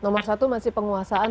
nomor satu masih penguasaan